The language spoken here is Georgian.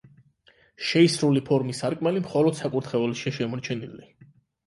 შეისრული ფორმის სარკმელი მხოლოდ საკურთხეველშია შემორჩენილი.